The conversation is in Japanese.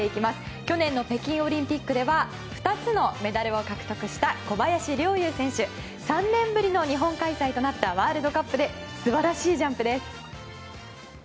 去年の北京オリンピックでは２つのメダルを獲得した小林陵侑選手３年ぶりの日本開催となったワールドカップで素晴らしいジャンプです。